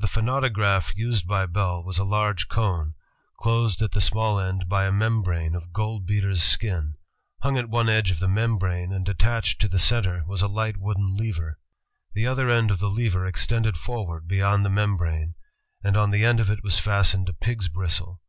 The phonautograph used by Bell was a large cone, closed at the small end by a membrane of gold beater's skin. Hung at one edge of the membrane and attached to the center was a light wooden lever. The other end of the lever extended forward beyond the mem brane, and on the end of it was fastened a pig's bristle.